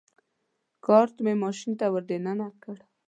کارټ مې ماشین ته ور دننه کړ.